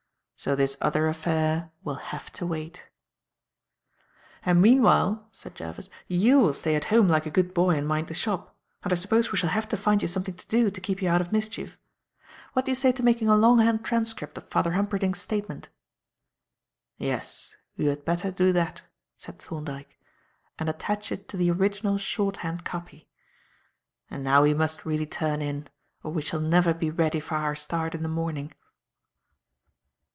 So this other affair will have to wait. "And meanwhile," said Jervis, "you will stay at home like a good boy and mind the shop; and I suppose we shall have to find you something to do, to keep you out of mischief. What do you say to making a longhand transcript of Father Humperdinck's statement?" "Yes, you had better do that," said Thorndyke; "and attach it to the original shorthand copy. And now we must really turn in or we shall never be ready for our start in the morning."